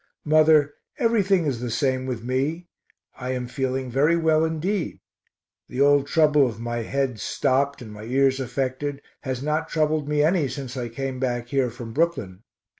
Mother, everything is the same with me; I am feeling very well indeed, the old trouble of my head stopt and my ears affected, has not troubled me any since I came back here from Brooklyn.